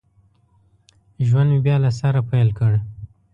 ژوند مې بیا له سره پیل کړ